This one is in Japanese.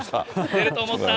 出ると思った！